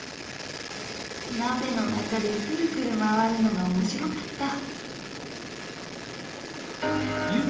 鍋の中でクルクル回るのが面白かった。